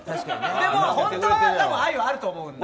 でも、本当は愛があると思うので。